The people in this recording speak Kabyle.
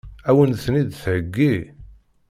Ad wen-ten-id-theggi?